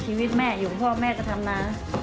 ชีวิตแม่อยู่พ่อแม่ก็ทำนา